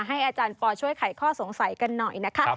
อาจารย์ปอช่วยไขข้อสงสัยกันหน่อยนะคะ